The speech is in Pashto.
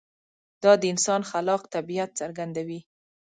دا د انسان خلاق طبیعت څرګندوي.